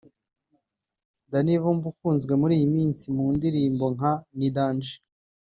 Danny Vumbi ukunzwe muri iyi minsi mu ndirimbo nka Ni Danger